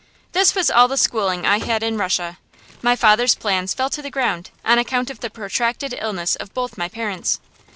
This was all the schooling I had in Russia. My father's plans fell to the ground, on account of the protracted illness of both my parents.